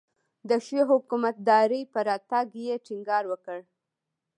د ښې حکومتدارۍ پر راتګ یې ټینګار وکړ.